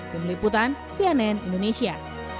kemeliputan cnn indonesia